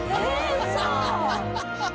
ウソ！